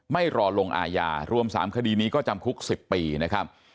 ไม่รอลงอาญารวม๓คดีนี้ก็จำคุก๑๐ปีนะครับ